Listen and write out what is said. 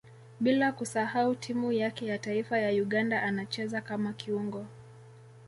Bila kusahau timu yake ya taifa ya Uganda anacheza kama kiungo